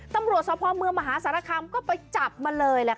ตำรวจสภเมืองมหาสารคามก็ไปจับมาเลยแหละค่ะ